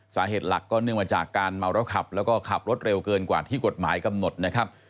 สาเหตุหลักก็เนื่องมาจากการเมาแล้วขับแล้วก็ขับรถเร็วเกินกว่าที่กฎหมายกำหนดนะครับ